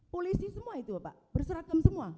polisi semua itu pak berseragam semua